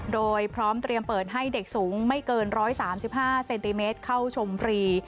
โดยพร้อมเตรียมเปิดให้เด็กสูงไม่เกิน๑๓๕เซนติเมตรเข้าชมฟรี